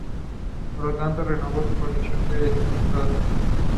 The music was by Jerry Livingston with lyrics by Helen Deutsch.